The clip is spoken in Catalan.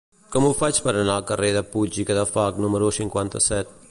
Com ho faig per anar al carrer de Puig i Cadafalch número cinquanta-set?